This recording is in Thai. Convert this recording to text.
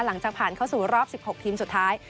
หลังจากผ่านเข้าสู่รอบ๑๖ทีมสุดท้าย